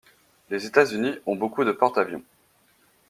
Les états unis ont beaucoup de porte avions.